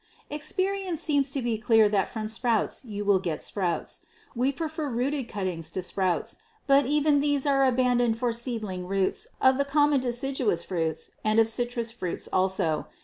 Experience seems to be clear that from sprouts you will get sprouts. We prefer rooted cuttings to sprouts, but even these are abandoned for seedling roots of the common deciduous fruits and of citrus fruits also.